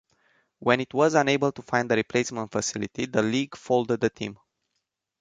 When it was unable to find a replacement facility, the league folded the team.